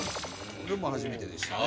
これも初めてでしたね。